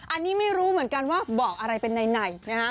อันนี้ไม่รู้เหมือนกันว่าบอกอะไรเป็นไหนนะฮะ